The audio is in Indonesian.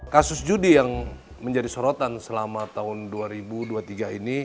kasus judi yang menjadi sorotan selama tahun dua ribu dua puluh tiga ini